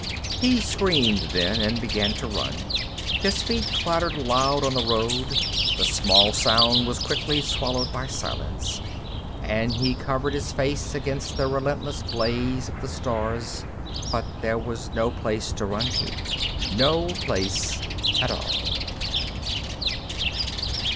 _ He screamed, then, and began to run. His feet clattered loud on the road; the small sound was quickly swallowed by silence, and he covered his face against the relentless blaze of the stars. But there was no place to run to, no place at all.